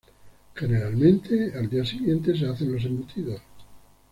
Generalmente al día siguiente se hacen los embutidos.